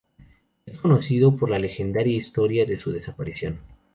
Es conocido por la legendaria historia de su desaparición.